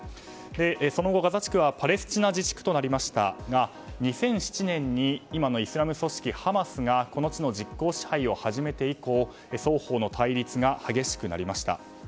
その後、ガザ地区はパレスチナ自治区となりましたが２００７年に今の、イスラム組織ハマスがこの地の実効支配を始めて以降双方の対立が激しくなりました。